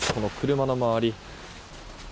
車の周り。